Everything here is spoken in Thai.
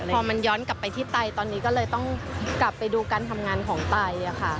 พอมันย้อนกลับไปที่ไตตอนนี้ก็เลยต้องกลับไปดูการทำงานของไตค่ะ